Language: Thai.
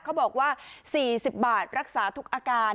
เขาบอกว่า๔๐บาทรักษาทุกอาการ